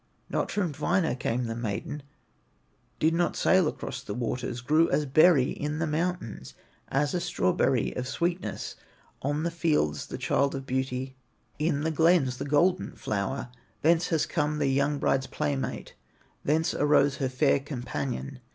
Not from Dwina came the maiden, Did not sail across the waters; Grew as berry in the mountains, As a strawberry of sweetness, On the fields the child of beauty, In the glens the golden flower. Thence has come the young bride's playmate, Thence arose her fair companion.